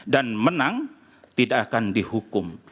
dan menang tidak akan dihukum